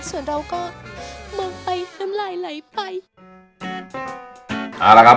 ส่วนเราก็เมืองไปน้ำลายไหลไป